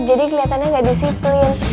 jadi keliatannya gak disiplin